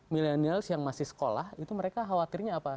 millennials yang masih sekolah itu mereka khawatirnya apa